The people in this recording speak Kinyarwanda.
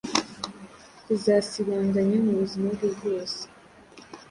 kuzasibanganya mu buzima bwe bwose.